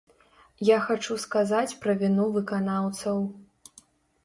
Я хачу сказаць пра віну выканаўцаў.